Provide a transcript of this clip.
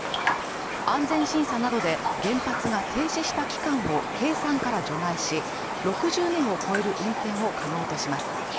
安全審査などで原発が停止した期間を計算から除外し、６０年を超える運転を可能とします。